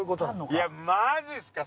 いやマジっすか？